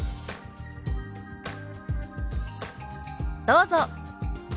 どうぞ。